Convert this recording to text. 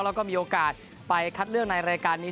แล้วก็มีโอกาสไปคัดเลือกในรายการนี้